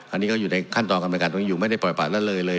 อันนี้ก็อยู่ในขั้นตอนกรรมการตรงนี้อยู่ไม่ได้ปล่อยประละเลยเลย